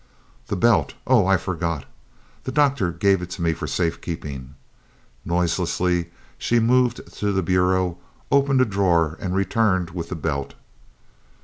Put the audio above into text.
"The belt, oh, I forgot! The Doctor gave it to me for safe keeping." Noiselessly she moved to the bureau, opened a drawer, and returned with the belt.